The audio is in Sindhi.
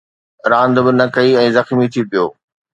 راند به نه ڪئي ۽ زخمي ٿي پيو